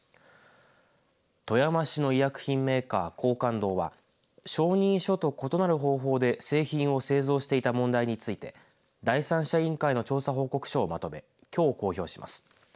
富山市の医薬品メーカー廣貫堂は承認書となる異なる方法で製品を製造していた問題について第三者委員会の調査報告書をまとめきょう、公表します。